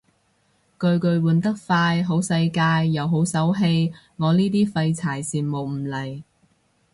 巨巨換得快好世界又好手氣，我呢啲廢柴羨慕唔嚟